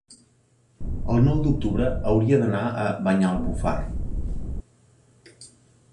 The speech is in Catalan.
El nou d'octubre hauria d'anar a Banyalbufar.